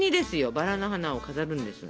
バラの花を飾るんですよ